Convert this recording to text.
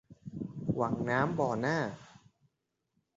หวังน้ำบ่อหน้า